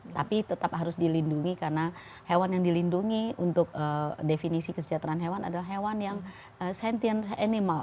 tapi tetap harus dilindungi karena hewan yang dilindungi untuk definisi kesejahteraan hewan adalah hewan yang sentient animal